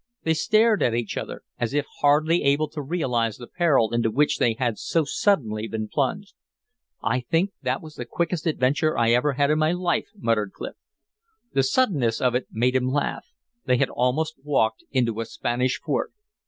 They stared at each other, as if hardly able to realize the peril into which they had so suddenly been plunged. "I think that was the quickest adventure I ever had in my life," muttered Clif. The suddenness of it made him laugh; they had almost walked into a Spanish fort.